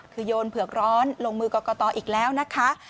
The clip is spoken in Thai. คือโยนเผือกร้อนลงมือกรกตอีกแล้วนะคะ